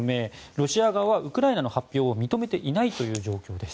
ロシア側はウクライナの発表を認めていないという状況です。